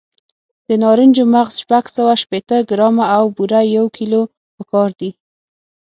د نارنجو مغز شپږ سوه شپېته ګرامه او بوره یو کیلو پکار دي.